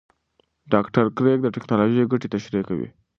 ډاکټر کریګ د ټېکنالوژۍ ګټې تشریح کوي.